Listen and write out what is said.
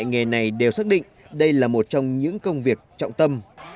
những người này đều xác định đây là một trong những công việc trọng tâm